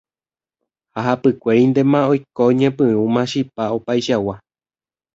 ha hapykuérintema oikóñepyrũma chipa opaichagua